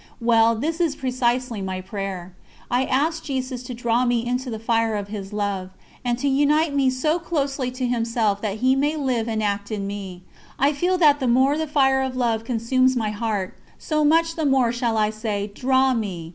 Well, this is precisely my prayer. I asked Jesus to draw me into the Fire of His love, and to unite me so closely to Himself that He may live and act in me. I feel that the more the fire of love consumes my heart, so much the more shall I say: "Draw me!"